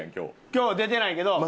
今日は出てないけど。